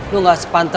lo gak sepantau